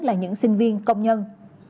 là những sinh viên công nhân